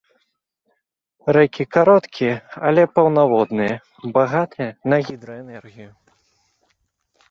Рэкі кароткія, але паўнаводныя, багатыя на гідраэнергію.